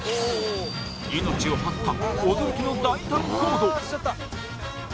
命を張った驚きの大胆行動。